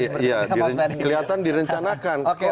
iya kelihatan direncanakan